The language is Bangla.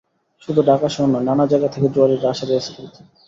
শুধু ঢাকা শহর নয়, নানা জায়গা থেকে জুয়াড়িরা আসে রেস খেলতে।